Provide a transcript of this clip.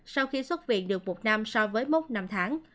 sau khi xuất viện được một năm so với mốc năm tháng